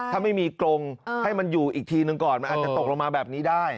ถ้าไม่มีกรงให้มันอยู่อีกทีหนึ่งก่อนมันอาจจะตกลงมาแบบนี้ได้